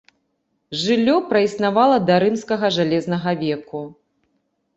Жыллё праіснавала да рымскага жалезнага веку.